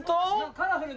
カラフルな。